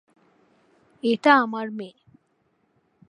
এটা আমার মেয়ে।